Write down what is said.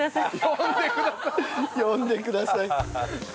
「呼んでください」。